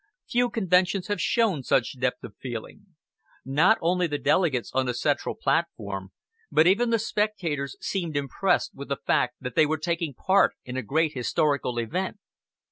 Few conventions have shown such depth of feeling. Not only the delegates on the central platform, but even the spectators seemed impressed with the fact that they were taking part in a great historical event.